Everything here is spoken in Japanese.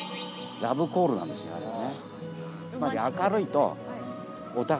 ラブコールなんですね。